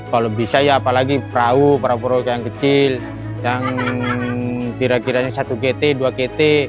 kalau bisa ya apalagi perahu perahu perahu yang kecil yang kira kiranya satu gt dua gt